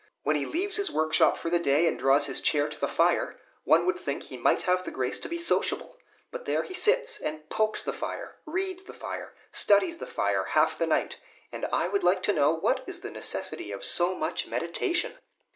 When he leaves his work shop for the day, and draws his chair to the fire, one would think he might have the grace to be sociable; but there he sits and pokes the fire, reads the fire, studies the fire, half the night, and I would like to know what is the necessity of so much meditation?"